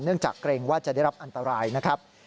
จากเกรงว่าจะได้รับอันตรายนะครับ